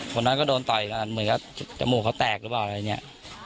คนนั้นก็โดนต่อยกันเหมือนกับจมูกเขาแตกหรือเปล่าอะไรเนี่ย